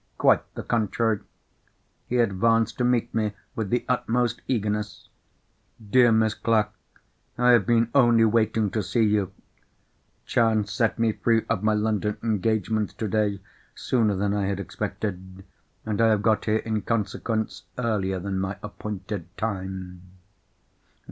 Quite the contrary. He advanced to meet me with the utmost eagerness. "Dear Miss Clack, I have been only waiting to see you! Chance set me free of my London engagements today sooner than I had expected, and I have got here, in consequence, earlier than my appointed time."